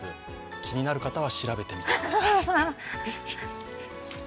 気になる方は調べてみてください。